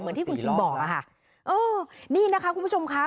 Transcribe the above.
ที่คุณคิงบอกอะค่ะเออนี่นะคะคุณผู้ชมค่ะ